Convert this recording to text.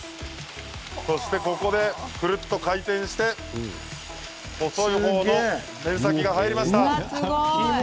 そして、ここでくるっと回転して細い方のペン先が入りました。